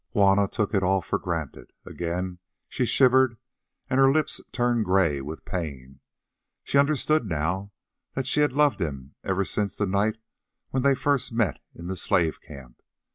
Juanna took it all for granted. Again she shivered, and her lips turned grey with pain. She understood now that she had loved him ever since the night when they first met in the slave camp.